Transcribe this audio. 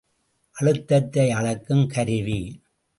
அழுத்தத்தை அளக்கும் கருவி.